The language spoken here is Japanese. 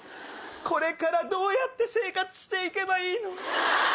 これからどうやって生活して行けばいいの？